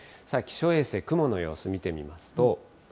気象衛星、雲の様子見てみますと。